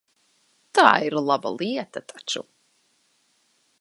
Tā ir laba lieta taču.